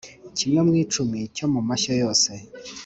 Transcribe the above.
Kimwe mu icumi cyo mu mashyo yose